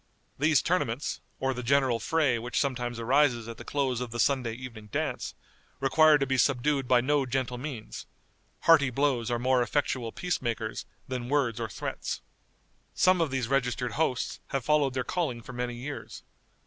These tournaments, or the general fray which sometimes arises at the close of the Sunday evening dance, require to be subdued by no gentle means: hearty blows are far more effectual peace makers than words or threats. Some of these registered hosts have followed their calling for many years.